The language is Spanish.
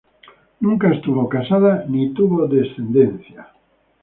Nunca estuvo casada ni tuvo descendencia.